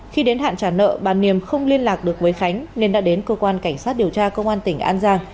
khi đến hạn trả nợ bà niềm không liên lạc được với khánh nên đã đến cơ quan cảnh sát điều tra công an tỉnh an giang